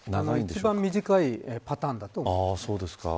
一番短いパターンだと思います。